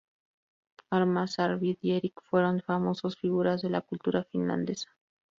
Armas, Arvid y Erik fueron famosas figuras de la cultura finlandesa.